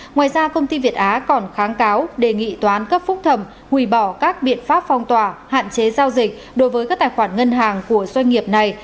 ngoài ra công ty việt á còn kháng cáo đề nghị toán cấp phúc thẩm hủy bỏ các biện pháp phong tỏa hạn chế giao dịch đối với các tài khoản ngân hàng của doanh nghiệp này